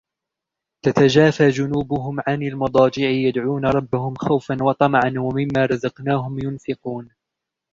تتجافى جنوبهم عن المضاجع يدعون ربهم خوفا وطمعا ومما رزقناهم ينفقون